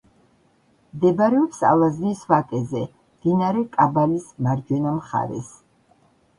მდებარეობს ალაზნის ვაკეზე, მდინარე კაბალის მარჯვენა მხარეს.